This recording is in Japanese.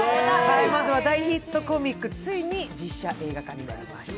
まずは大ヒットコミック、ついに実写映画化しました。